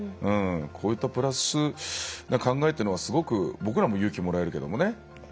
こういったプラスな考えっていうのはすごく僕らも勇気もらえるけどもね。